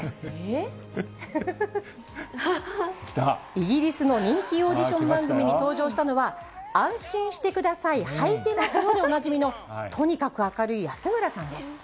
イギリスの人気オーディション番組に登場したのは、安心してください、はいてますよでおなじみのとにかく明るい安村さんです。